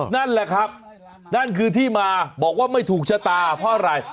นั่นแหละครับนั่นคือที่มาบอกว่าไม่ถูกชะตาเพราะอะไร